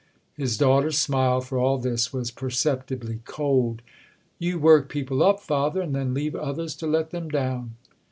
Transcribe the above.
His daughter's smile, for all this, was perceptibly cold. "You work people up, father, and then leave others to let them down."